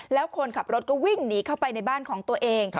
แล้วคนขับรถก็วิ่งหนีเข้าไปในบ้านของตัวเอง